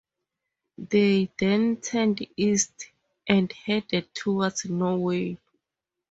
They then turned east and headed towards Norway.